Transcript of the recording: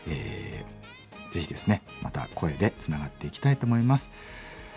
ぜひですねまた声でつながっていきたいと思います。